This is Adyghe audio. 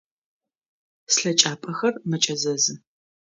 Слъэкӏапӏэхэр мэкӏэзэзы.